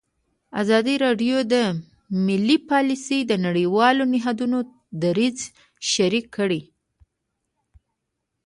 ازادي راډیو د مالي پالیسي د نړیوالو نهادونو دریځ شریک کړی.